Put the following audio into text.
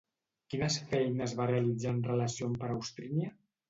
Quines feines va realitzar en relació amb Peraustrínia?